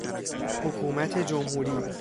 حکومت جمهوری